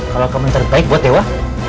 kalau kamu yang terbaik buat dewa